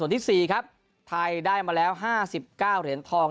ส่วนที่สี่ครับไทยได้มาแล้วห้าสิบเก้าเหรียญทอง